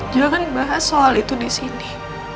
jangan bahas soal itu disini